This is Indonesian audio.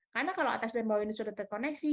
karena kalau atas dan bawah ini sudah terkoneksi